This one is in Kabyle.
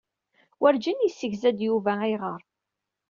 Werǧin yessegza-d Yuba ayɣeṛ.